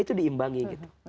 itu diimbangi gitu